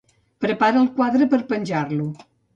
Prepara el quadre per penjar-lo.